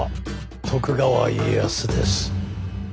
徳川家康です。